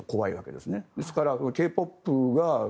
ですから、Ｋ−ＰＯＰが。